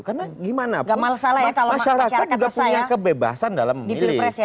karena gimana pun masyarakat juga punya kebebasan dalam memilih